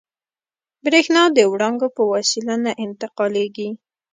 برېښنا د وړانګو په وسیله نه انتقالېږي.